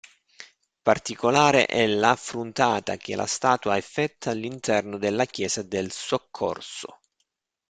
Particolare è l'affruntata che la statua effettua all'interno della chiesa del Soccorso.